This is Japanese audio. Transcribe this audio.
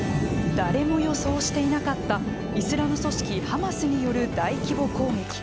誰も予想していなかったイスラム組織ハマスによる大規模攻撃。